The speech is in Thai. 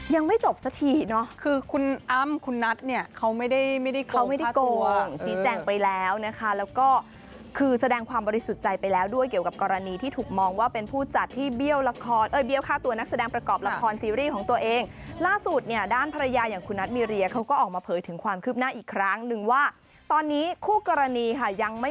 ยังไม่จบสักทีเนาะคือคุณอ้ามคุณนัทเนี่ยเขาไม่ได้ไม่ได้เขาไม่ได้โกงสีแจ่งไปแล้วนะคะแล้วก็คือแสดงความบริสุทธิ์ใจไปแล้วด้วยเกี่ยวกับกรณีที่ถูกมองว่าเป็นผู้จัดที่เบี้ยวละครเบี้ยวค่าตัวนักแสดงประกอบละครซีรีส์ของตัวเองล่าสุดเนี่ยด้านภรรยาอย่างคุณนัทมีเรียเขาก็ออกมาเผยถึง